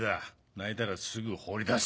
泣いたらすぐ放り出す。